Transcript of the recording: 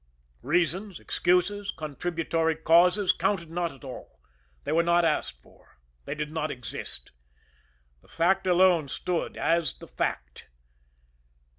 Reasons, excuses, contributory causes, counted not at all they were not asked for they did not exist. The fact alone stood as the fact.